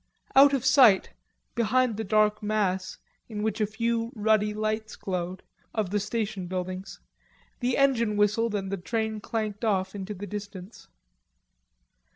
Out of sight, behind the dark mass, in which a few ruddy lights glowed, of the station buildings, the engine whistled and the train clanked off into the distance.